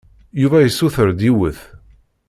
Yuba yessuter-d yiwet.